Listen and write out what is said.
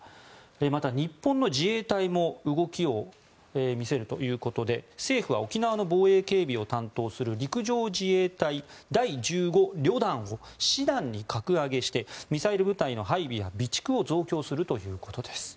また、日本の自衛隊も動きを見せるということで政府は沖縄の防衛・警備を担当する陸上自衛隊第１５旅団を師団に格上げしてミサイル部隊の配備や備蓄を増強するということです。